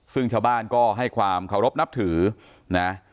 ซึ่งชาวบ้านก็ให้ความเคารพนับถือนะ